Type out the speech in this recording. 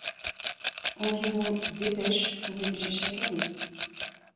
Environ dépêches sont rédigées chaque année.